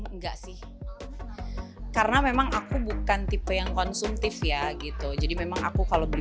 enggak sih karena memang aku bukan tipe yang konsumtif ya gitu jadi memang aku kalau beli